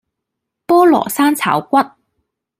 菠蘿生炒骨